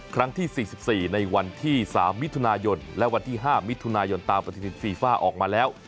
ครั้งที่๔๔ในวันที่๓มิถุนายนและวันที่๕มิถุนายนตามปฏิทินฟีฟ่าออกมาแล้ว